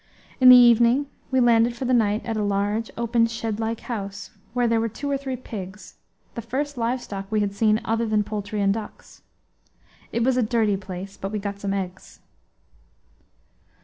In the evening we landed for the night at a large, open, shed like house, where there were two or three pigs, the first live stock we had seen other than poultry and ducks. It was a dirty place, but we got some eggs.